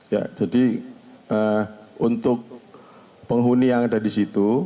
ya jadi untuk penghuni yang ada di situ